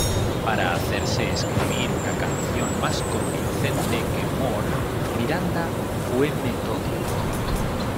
Para hacerse escribir una canción más convincente que "More", Miranda "fue metódico".